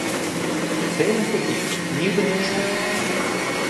Цей не хотів, ніби не чув.